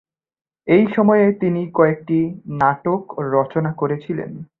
এই সময়ে তিনি কয়েকটি নাটক রচনা করেছিলেন।